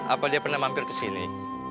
apa dia pernah mampir ke sini